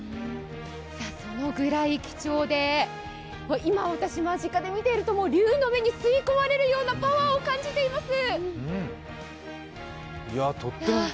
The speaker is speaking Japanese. そのぐらい貴重で、今私、間近で見ているともう竜の目に吸い込まれるようなパワーを感じています。